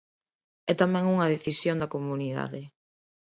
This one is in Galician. É tamén unha decisión da comunidade.